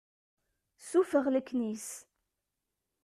Sufeɣ leknis.